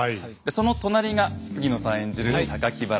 その隣が杉野さん演じる